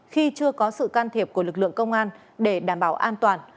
khi chưa có sự can thiệp của lực lượng công an để đảm bảo an toàn